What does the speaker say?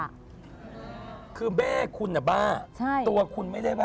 บ๊วยบ๊วยคือแม่คุณอ่ะบ้าตัวคุณไม่ได้บ้า